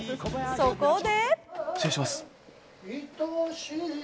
そこで。